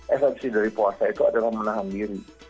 esensi dari puasa itu adalah menahan diri